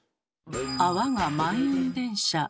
泡が満員電車。